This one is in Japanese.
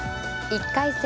１回戦